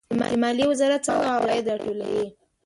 د مالیې وزارت څنګه عواید راټولوي؟